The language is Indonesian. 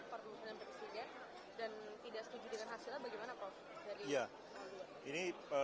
permusuhan persidat dan tidak setuju dengan hasilnya bagaimana pak